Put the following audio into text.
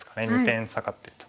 ２点下がってると。